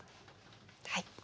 はい。